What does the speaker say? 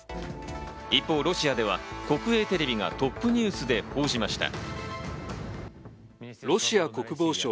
一方、ロシアでは国営テレビがトップニュースで報じました。